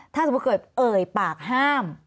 ถ้าสมมุติเกิดเอ่ยปากห้าม